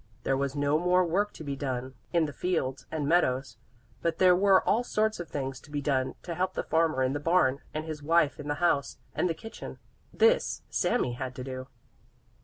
There was no more work to be done in the fields and meadows, but there were all sorts of things to be done to help the farmer in the barn and his wife in the house and the kitchen. This Sami had to do.